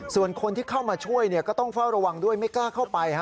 ส่วนคนที่เข้ามาช่วยก็ต้องเฝ้าระวังด้วยไม่กล้าเข้าไป